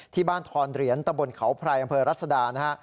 ทอนเหรียญตะบนเขาไพรอำเภอรัศดานะฮะ